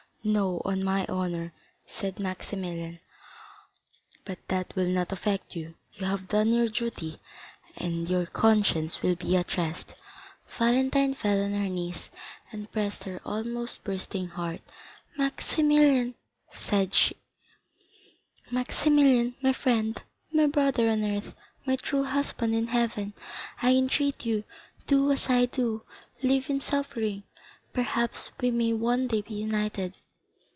"No, on my honor," said Maximilian; "but that will not affect you. You have done your duty, and your conscience will be at rest." Valentine fell on her knees, and pressed her almost bursting heart. "Maximilian," said she, "Maximilian, my friend, my brother on earth, my true husband in heaven, I entreat you, do as I do, live in suffering; perhaps we may one day be united."